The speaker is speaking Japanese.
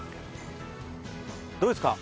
どうですか？